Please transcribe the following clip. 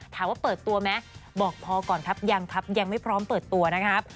เปิดตัวไหมบอกพอก่อนครับยังครับยังไม่พร้อมเปิดตัวนะครับ